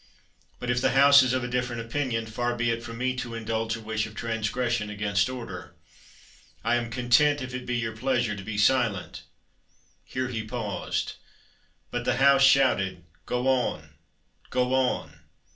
But if the House is of a differ ent opinion, far be it from me to indulge a wish of transgression against order. I am content, if it be your pleasure, to be silent. [Here he paused. But the House shouted: Go on! go on!